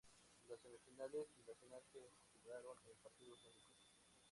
Las semifinales y la final se jugaron en partidos únicos.